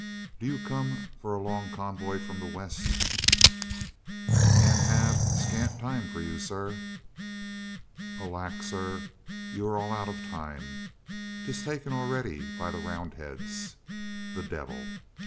"Do you come for a long convoy from the west?" 252 COLONEL GREATHEART "And have tnerefore scant time for you, sir." "Alack, sir, you are all out of time. 'Tis taken al ready by the Roundheads." "The devil!"